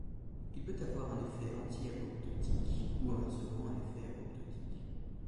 Il peut avoir un effet antiapoptotique, ou, inversement, un effet apoptotique.